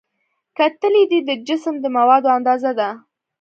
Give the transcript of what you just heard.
کتلې د جسم د موادو اندازه ده.